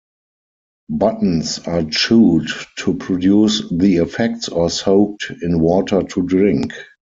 Buttons are chewed to produce the effects or soaked in water to drink.